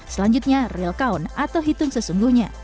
selanjutnya real count atau hitung sesungguhnya